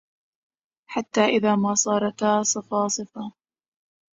حتى إذا ما صارتا صَفاصِفا